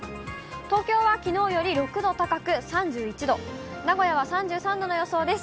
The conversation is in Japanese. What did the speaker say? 東京はきのうより６度高く３１度、名古屋は３３度の予想です。